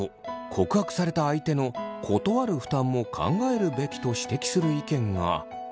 告白された相手の断る負担も考えるべきと指摘する意見が。